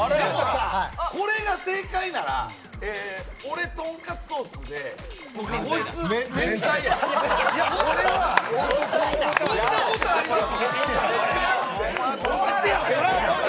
これが正解なら俺とんかつソースでいや、俺はそんなことあります？